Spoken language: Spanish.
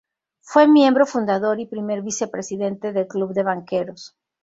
Fue miembro fundador y primer vicepresidente del Club de Banqueros.